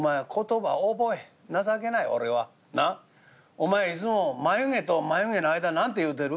お前いつも眉毛と眉毛の間何て言うてる？」。